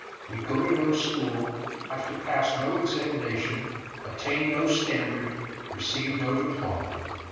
We go to no school, have to pass no examination, attain no standard, receive no diploma.